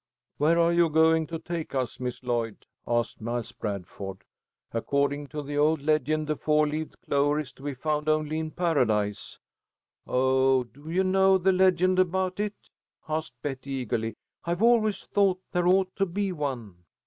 "Where are you going to take us, Miss Lloyd?" asked Miles Bradford. "According to the old legend the four leaved clover is to be found only in Paradise." "Oh, do you know a legend about it?" asked Betty, eagerly. "I've always thought there ought to be one."